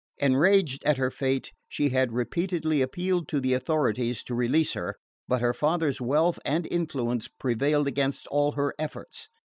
Enraged at her fate, she had repeatedly appealed to the authorities to release her; but her father's wealth and influence prevailed against all her efforts.